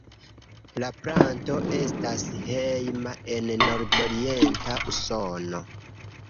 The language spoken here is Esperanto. La planto estas hejma en nordorienta Usono.